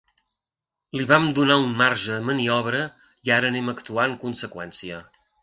Li vam donar un marge de maniobra i ara anem a actuar en conseqüència.